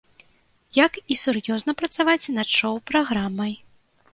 Як і сур'ёзна працаваць над шоў-праграмай.